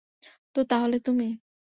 তো, তাহলে তুমি?